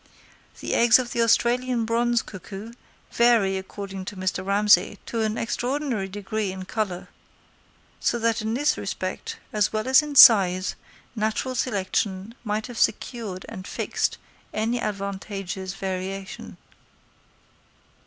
The eggs of the Australian bronze cuckoo vary, according to Mr. Ramsay, to an extraordinary degree in colour; so that in this respect, as well as in size, natural selection might have secured and fixed any advantageous variation.